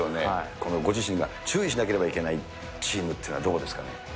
このご自身が注意しなければいけないチームっていうのはどこですかね。